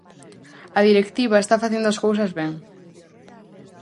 A directiva está facendo as cousas ben.